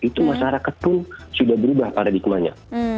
itu masyarakat pun sudah berubah paradigmanya